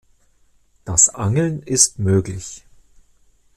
Das Angeln ist möglich.